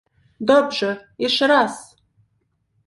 "dobrze, jeszcze raz!"